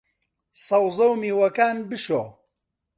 سەوزە و میوەکان بشۆ